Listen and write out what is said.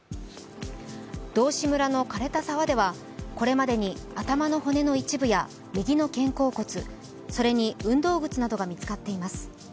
道志村の枯れた沢ではこれまでに頭の骨の一部や右の肩甲骨、それに運動靴などが見つかっています。